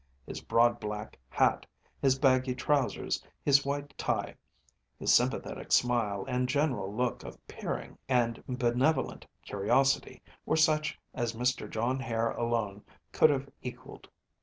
His broad black hat, his baggy trousers, his white tie, his sympathetic smile, and general look of peering and benevolent curiosity were such as Mr. John Hare alone could have equalled.